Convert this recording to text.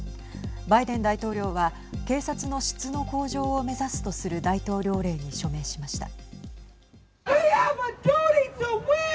バイデン大統領は警察の質の向上を目指すとする大統領令に署名しました。